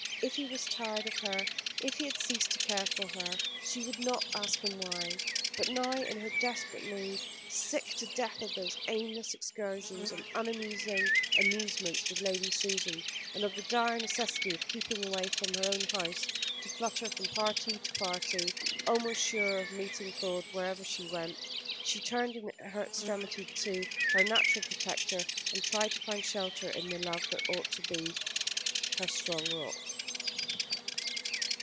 If he was tired of her if he had ceased to care for her, she would not ask him why. But now, in her desperate need, sick to death of those aimless excursions and unamusing amusements with Lady Susan, and of the dire necessity of keeping away from her own house, to flutter from party to party, almost sure of meeting Claude wherever she went, she turned in her extremity to her natural protector, and tried to find shelter in the love that ought to be her strong rock.